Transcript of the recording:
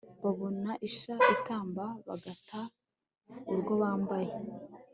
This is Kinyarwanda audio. babona isha itamba bagata urwo bambaye